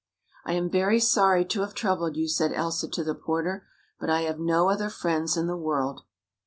" I am very sorry to have troubled you," said Elsa to the porter, " but I have no other friends in the world."